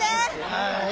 はい。